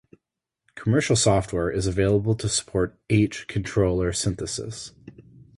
Commercial software is available to support "H" controller synthesis.